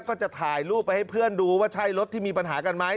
ก็จะถ่ายรูปไปให้เพื่อนดูว่าใช่รถที่มีปัญหากันไหม